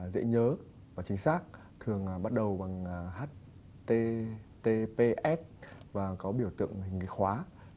dễ nhớ và chính xác thường bắt đầu bằng https và có biểu tượng hình cái khóa